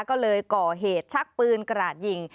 ก็เลยก่อเหตุชักปืนกระดยิง